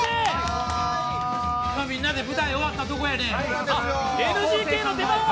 今、みんなで舞台、終わったとこやねん。